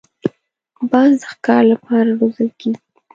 باز د ښکار له پاره روزل کېږي